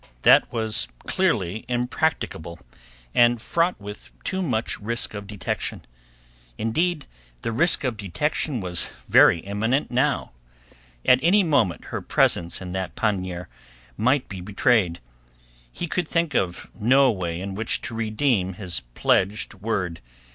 That was clearly impracticable and fraught with too much risk of detection. Indeed, the risk of detection was very imminent now. At any moment her presence in that pannier might be betrayed. He could think of no way in which to redeem his pledged word.